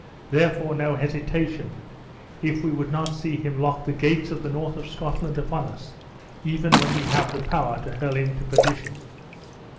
Therefore no hesitation, if we would not see him lock the gates of the north of Scotland upon us, even when we have the power to hurl him to perdition."